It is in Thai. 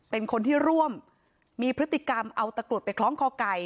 เป็นคนที่ร่วมมีพฤติกรรมเอาตะกรุดไปคล้องคอไก่